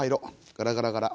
ガラガラガラ。